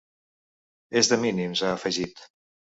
“És de mínims”, ha afegit.